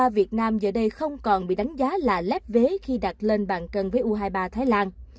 việt nam giờ đây không còn bị đánh giá là lép vế khi đặt lên bàn cân với u hai mươi ba thái lan